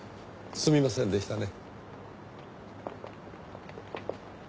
すみませんでしたね。